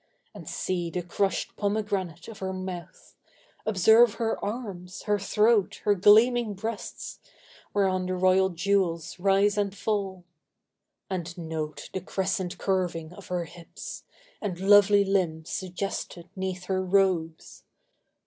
And see the crushed pomegranate of her mouth! Observe her arms, her throat, her gleaming breasts, Whereon the royal jewels rise and fall!— And note the crescent curving of her hips, And lovely limbs suggested 'neath her robes!